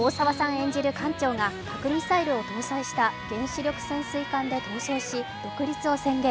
演じる艦長が核ミサイルを搭載した原子力潜水艦で逃走し独立を宣言。